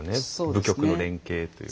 部局の連携という。